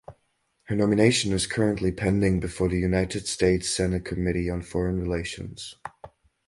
Her nomination is currently pending before the United States Senate Committee on Foreign Relations.